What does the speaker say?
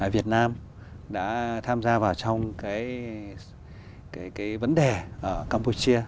việt nam đã tham gia vào trong vấn đề ở campuchia